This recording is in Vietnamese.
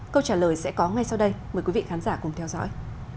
câu trả lời sẽ có ngay sau đây mời quý vị khán giả cùng theo dõi